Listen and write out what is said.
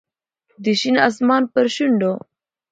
د شین اسمان پر شونډو